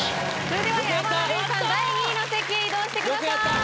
それでは矢花黎さん第２位の席へ移動してください。